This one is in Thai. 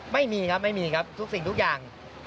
ไม่มีครับไม่มีครับทุกสิ่งทุกอย่าง